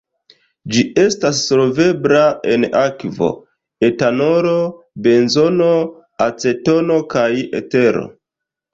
Ĝi estas solvebla en akvo, etanolo, benzeno, acetono kaj etero.